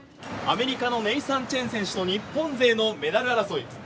アメリカのネイサン・チェン選手と日本勢のメダル争い。